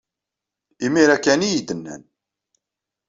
Imir-a kan ay iyi-d-nnan.